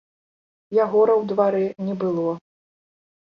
Ягора ў дварэ не было.